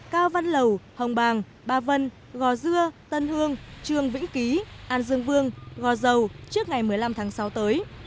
cao văn lầu hồng bàng ba vân gò dưa tân hương trường vĩnh ký an dương vương gò dầu trước ngày một mươi năm tháng sáu tới